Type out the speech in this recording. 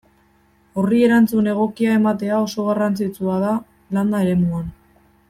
Horri erantzun egokia ematea oso garrantzitsua da landa eremuan.